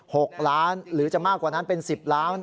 หกล้านหรือจะมากกว่านั้นเป็นสิบล้าน